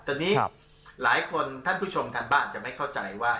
ตอนนี้หลายคนท่านผู้ชมทางบ้านจะไม่เข้าใจว่า